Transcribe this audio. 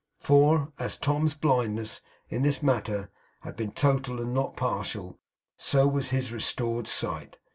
For, as Tom's blindness in this matter had been total and not partial, so was his restored sight.